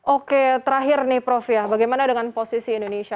oke terakhir nih prof ya bagaimana dengan posisi indonesia